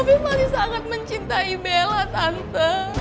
afif masih sangat mencintai bella tante